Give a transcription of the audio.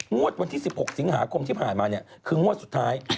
วันที่๑๖สิงหาคมที่ผ่านมาเนี่ยคืองวดสุดท้าย